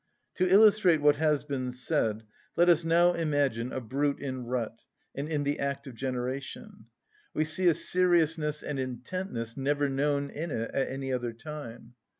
To illustrate what has been said, let us now imagine a brute in rut, and in the act of generation. We see a seriousness and intentness never known in it at any other time.